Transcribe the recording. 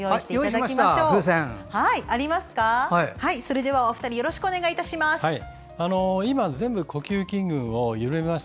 それでは、お二人よろしくお願いします。